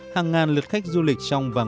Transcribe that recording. hàng ngàn lượt khách du lịch